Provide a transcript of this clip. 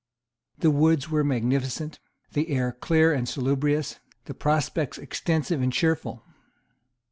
The woods were magnificent, the air clear and salubrious, the prospects extensive and cheerful.